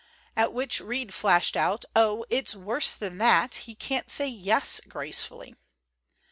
At which Reed flashed out: "Oh, it's worse than that. He can't say 'Yes' gracefully."